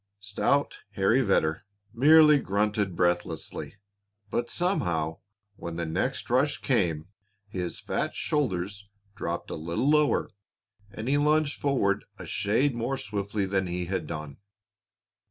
Stout Harry Vedder merely grunted breathlessly. But somehow, when the next rush came, his fat shoulders dropped a little lower and he lunged forward a shade more swiftly than he had done.